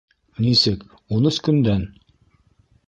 — Нисек, ун өс көндән?